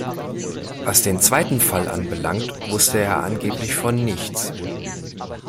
Was den zweiten Fall anbelangt, wusste er angeblich von nichts.